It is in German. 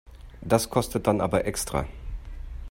Das kostet dann aber extra.